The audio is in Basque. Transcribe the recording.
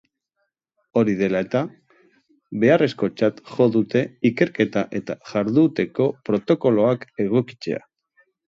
Hori dela eta, beharrezkotzat jo dute ikerketa eta jarduteko protokoloak egokitzea.